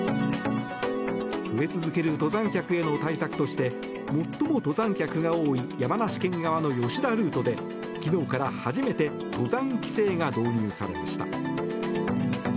増え続ける登山客への対策として最も登山客が多い山梨県側の吉田ルートで昨日から初めて登山規制が導入されました。